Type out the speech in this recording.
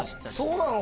そうなの？